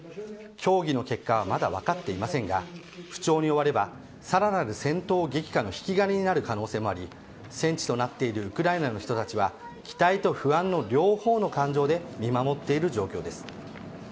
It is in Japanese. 協議の結果はまだ分かっていませんが不調に終わればさらなる戦闘激化の引き金になる可能性もあり戦地となっているウクライナの人たちは期待と不安の両方の感情で見守っている状況です。